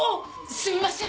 すみません！